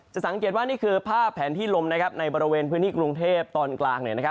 สังเกตว่านี่คือภาพแผนที่ลมในบริเวณพื้นที่กรุงเทพตอนกลาง